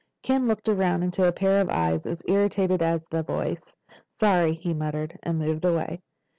Ken looked around into a pair of eyes as irritated as the voice. "Sorry," he muttered, and moved away.